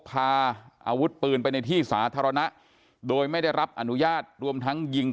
พาอาวุธปืนไปในที่สาธารณะโดยไม่ได้รับอนุญาตรวมทั้งยิง